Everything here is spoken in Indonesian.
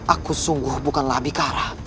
aku sungguh bukanlah abikara